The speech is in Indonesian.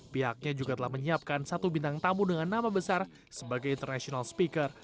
pihaknya juga telah menyiapkan satu bintang tamu dengan nama besar sebagai international speaker